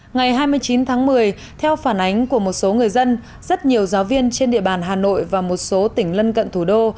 ngày hai mươi chín tháng một mươi theo phản ánh của một số người dân rất nhiều giáo viên trên địa bàn hà nội và một số tỉnh lân cận thủ đô